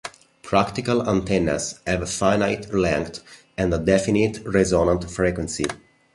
Practical antennas have finite length and a definite resonant frequency.